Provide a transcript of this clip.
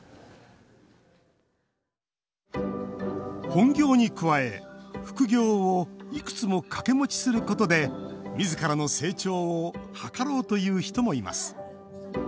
本業に加え、副業をいくつも掛け持ちすることでみずからの成長を図ろうという人もいます。